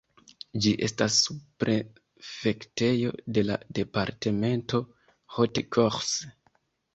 Ĝi estas subprefektejo de la departemento Haute-Corse.